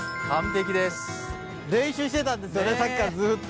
練習してたんですよね、さっきからずっと！